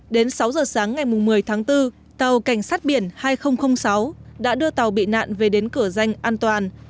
đến sáu giờ sáng ngày một mươi tháng bốn tàu cảnh sát biển hai nghìn sáu đã đưa tàu bị nạn về đến cửa danh an toàn